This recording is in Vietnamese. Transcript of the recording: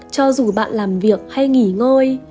cho dù bạn làm việc hay nghỉ ngơi